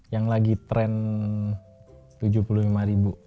yang lagi tren tujuh puluh lima ribu